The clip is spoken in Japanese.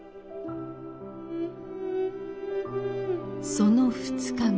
その２日後